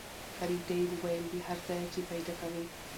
کريم ته يې وويل له هر ځايه چې پېدا کوې.